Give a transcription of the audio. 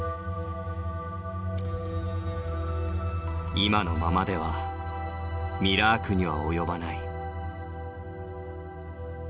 今のままではミラークには及ばない。